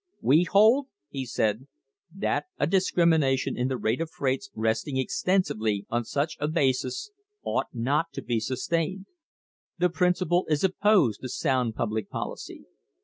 "We hold, ..." he said, "that a discrimination in the rate of freights resting extensively on such a basis ought not to be sustained. The principle is opposed to sound public policy.